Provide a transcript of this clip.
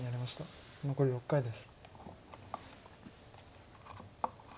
残り６回です。